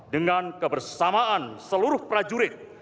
dengan kebersamaan seluruh prajurit